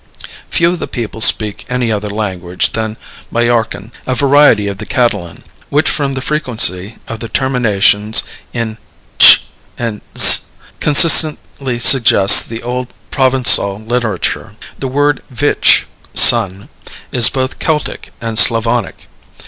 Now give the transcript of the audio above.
Few of the people speak any other language than the Mallorquin, a variety of the Catalan, which, from the frequency of the terminations in ch and tz, constantly suggests the old Provençal literature. The word vitch (son) is both Celtic and Slavonic.